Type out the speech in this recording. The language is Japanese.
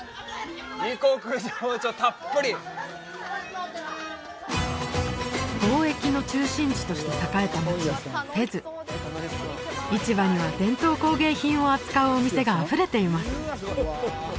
またこの貿易の中心地として栄えた街フェズ市場には伝統工芸品を扱うお店があふれています